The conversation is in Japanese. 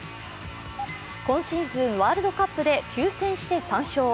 今シーズン、ワールドカップで９戦して３勝。